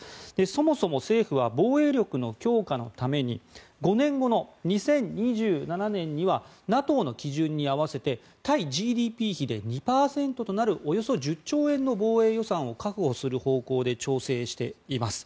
そもそも、政府は防衛力の強化のために５年後の２０２７年にはＮＡＴＯの基準に合わせて対ＧＤＰ比で２％となるおよそ１０兆円の防衛予算を確保する方向で調整しています。